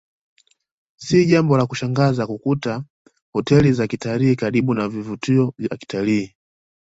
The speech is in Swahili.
Si jambo la kushangaza kukuta hoteli za kitalii karibu na vivutio vya kitalii